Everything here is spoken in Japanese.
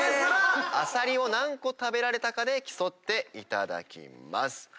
アサリ何個食べられたかで競っていただきます。